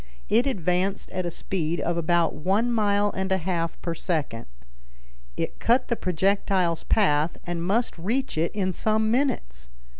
It advanced at a speed of about one mile and a half per second. It cut the projectile's path and must reach it in some minutes.